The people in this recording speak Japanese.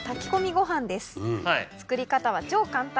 作り方は超簡単。